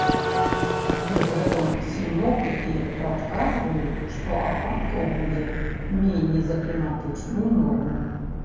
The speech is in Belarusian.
Пры гэтым сіноптыкі прадказваюць, што ападкаў будзе меней за кліматычную норму.